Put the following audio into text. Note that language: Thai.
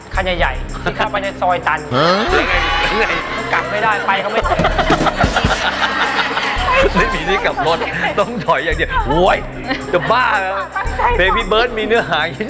คันใหญ่เข้าไปในซอยตัน